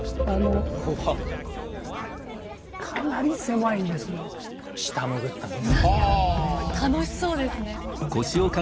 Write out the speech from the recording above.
何か楽しそうですね。